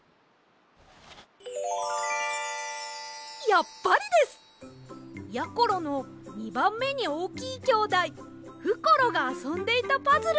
やっぱりです！やころの２ばんめにおおきいきょうだいふころがあそんでいたパズルです。